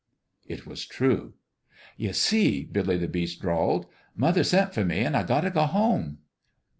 It was true. " Ye see," Billy the Beast drawled, " mother sent for me an' I got t' go home."